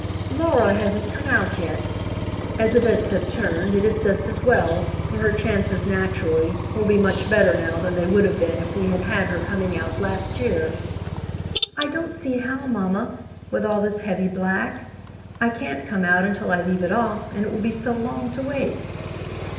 "Laura hasn't come out yet. As events have turned, it is just as well, for her chances, naturally, will be much better now than they would have been if we had had her coming out last year." "I don't see how, mamma, with all this heavy black. I can't come out until I leave it off, and it will be so long to wait."